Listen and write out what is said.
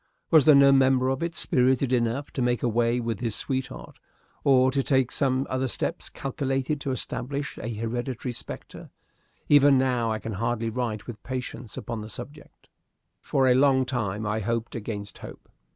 Was there no member of it spirited enough to make away with his sweetheart, or take some other steps calculated to establish a hereditary spectre? Even now I can hardly write with patience upon the subject. For a long time I hoped against hope.